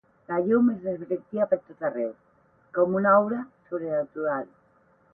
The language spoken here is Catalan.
la llum es reflectia per tot arreu, com una aura sobrenatural.